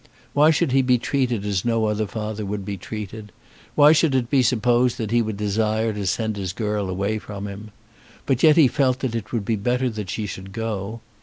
Why should he be treated as no other father would be treated? Why should it be supposed that he would desire to send his girl away from him? But yet he felt that it would be better that she should go.